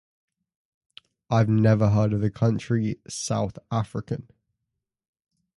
I've never heard of the country, "South African"